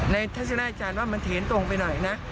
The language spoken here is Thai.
ทัศนะอาจารย์ว่ามันเถนตรงไปหน่อยนะ